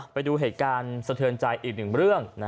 ไปดูเหตุการณ์สะเทือนใจอีกหนึ่งเรื่อง